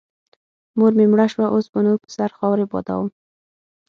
مور مې مړه سوه اوس به نو پر سر خاورې بادوم.